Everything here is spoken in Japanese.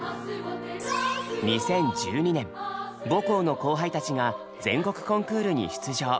２０１２年母校の後輩たちが全国コンクールに出場。